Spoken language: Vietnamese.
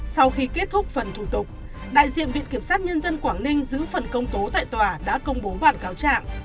sau khi kết thúc phần thủ tục đại diện viện kiểm sát nhân dân quảng ninh giữ phần công tố tại tòa đã công bố bản cáo trạng